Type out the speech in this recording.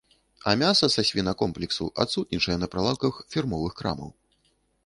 А мяса са свінакомплексу адсутнічае на прылаўках фірмовых крамаў.